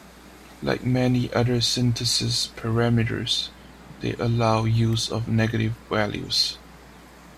Like many other synthesis parameters, they allow use of negative values.